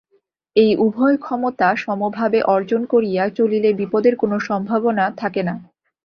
এই উভয় ক্ষমতা সমভাবে অর্জন করিয়া চলিলে বিপদের কোন সম্ভাবনা থাকে না।